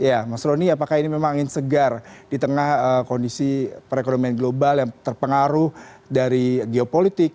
ya mas rony apakah ini memang angin segar di tengah kondisi perekonomian global yang terpengaruh dari geopolitik